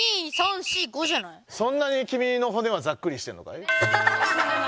そんなにキミの骨はざっくりしてるのかい？